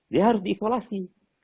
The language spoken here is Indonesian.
dia harus diisolasi